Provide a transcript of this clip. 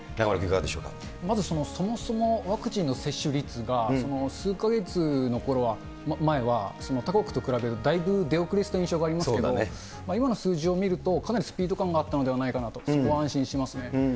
まず、そもそもワクチンの接種率が数か月前は、他国と比べるとだいぶ出遅れてた印象がありますけれども、今の数字を見ると、かなりスピード感があったのではないかなと、そこは安心しますね。